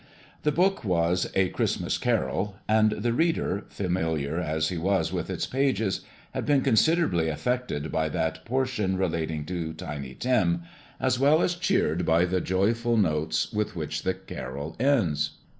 The book was "A Christmas Carol," and the reader, familiar as he was with its pages, had been considerably affected by that portion relating to Tiny Tim, as well as cheered by the joyful notes with which the Carol ends.